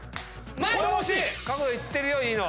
角度いってるよいいの。